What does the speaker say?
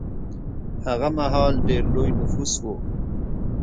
هغه مهال ډېر لوی نفوس و.